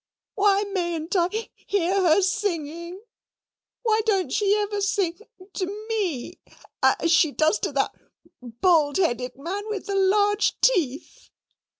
"Why mayn't I hear her singing? Why don't she ever sing to me as she does to that baldheaded man with the large teeth?"